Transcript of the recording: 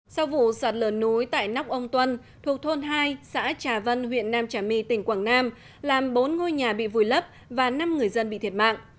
sau vụ sạt lở núi tại nóc ông tuân thuộc thôn hai xã trà vân huyện nam trà my tỉnh quảng nam làm bốn ngôi nhà bị vùi lấp và năm người dân bị thiệt mạng